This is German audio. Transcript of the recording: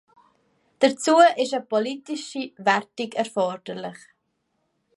Dazu ist eine politische Wertung erforderlich.